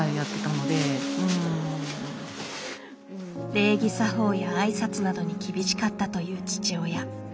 礼儀作法や挨拶などに厳しかったという父親。